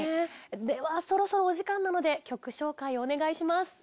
ではそろそろお時間なので曲紹介お願いします。